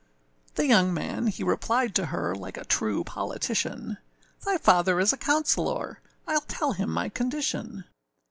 â The young man he replied to her Like a true politician; âThy father is a counsellor, Iâll tell him my condition.